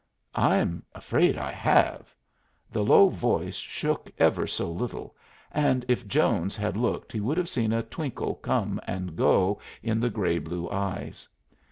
"I'm afraid I have." The low voice shook ever so little, and if Jones had looked he would have seen a twinkle come and go in the gray blue eyes.